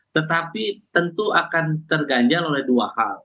tetapi tentu akan terganjal oleh dua hal